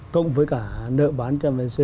cộng với cả nợ bán trăm vnc